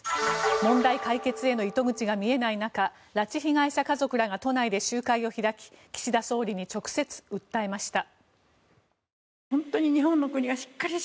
問題解決への糸口が見えない中拉致被害者家族らが都内で集会を開き岸田総理に直接、訴えました。